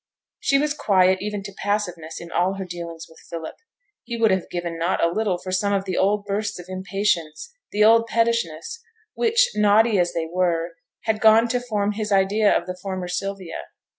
She was quiet even to passiveness in all her dealings with Philip; he would have given not a little for some of the old bursts of impatience, the old pettishness, which, naughty as they were, had gone to form his idea of the former Sylvia.